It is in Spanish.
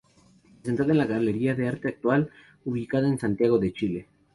Presentada en la Galería Arte Actual ubicada en Santiago de Chile.